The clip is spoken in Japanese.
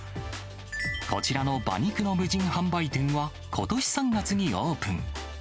こちらの馬肉の無人販売店は、ことし３月にオープン。